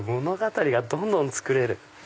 物語がどんどん作れる。